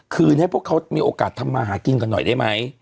ให้พวกเขามีโอกาสทำมาหากินกันหน่อยได้ไหม